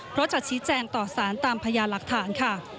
เพราะจะชี้แจงต่อสารตามพยานหลักฐานค่ะ